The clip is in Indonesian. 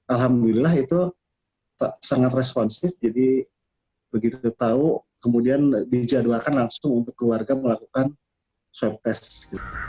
alhamdulillah itu sangat responsif jadi begitu tahu kemudian dijadwalkan langsung untuk keluarga melakukan swab test gitu